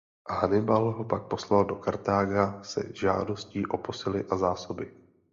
Hannibal ho pak poslal do Kartága se žádostí o posily a zásoby.